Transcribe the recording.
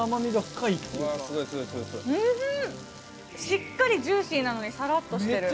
しっかりジューシーなのにサラッとしてる。